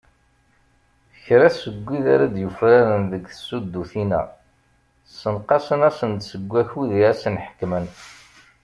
Kra seg wid ara d-yufraren deg tsuddutin-a, ssenqasen-asen-d seg wakud i asen-ḥekmen.